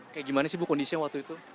kayak gimana sih bu kondisinya waktu itu